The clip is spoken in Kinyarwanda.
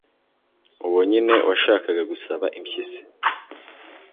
uwo nyine washakaga gusaba impyisi